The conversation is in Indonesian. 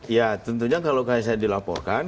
ya tentunya kalau saya dilaporkan